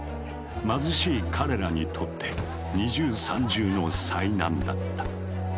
貧しい彼らにとって二重三重の災難だった。